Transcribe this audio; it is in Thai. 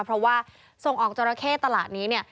เพราะว่าส่งออกจราเข้ตลาดนี้เนี่ย